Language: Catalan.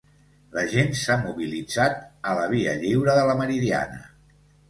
La gent s'ha mobilitzat a la Via Lliure de la Meridiana